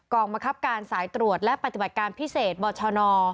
บังคับการสายตรวจและปฏิบัติการพิเศษบชน